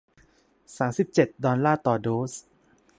สามสิบเจ็ด ดอลลาร์ต่อโดส